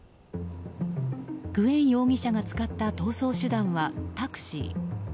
グエン容疑者が使った逃走手段はタクシー。